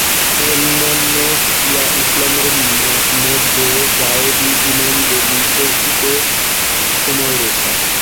অন্যান্য শিয়া ইমামের মধ্যে জায়েদি ইমামদের নির্দেশিত সময়রেখা।